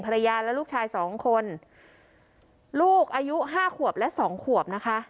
ภรรยาและลูกชายสองคนลูกอายุห้าขวบและสองขวบนะคะ